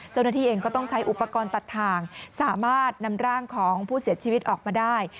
เจ้าหน้าที่เองก็ต้องใช้อุปกรณ์ตัดทางสามารถนำร่างของผู้เสียชีวิตออกมาได้